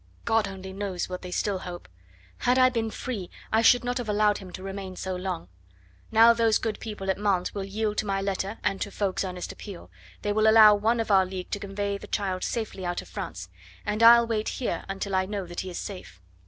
God only knows what they still hope; had I been free I should not have allowed him to remain so long; now those good people at Mantes will yield to my letter and to Ffoulkes' earnest appeal they will allow one of our League to convey the child safely out of France, and I'll wait here until I know that he is safe.